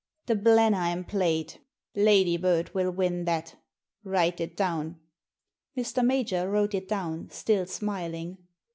The Blenheim Plate — Ladybird will win that; write it down." Mr. Major wrote it down, still smiling.